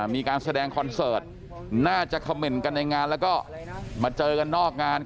มีการแสดงคอนเสิร์ตน่าจะเขม่นกันในงานแล้วก็มาเจอกันนอกงาน